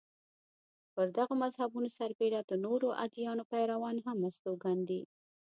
پر دغو مذهبونو سربېره د نورو ادیانو پیروان هم استوګن دي.